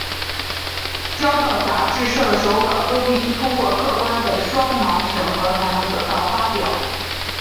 交到杂志社的手稿都须通过客观的双盲审核才能得到发表。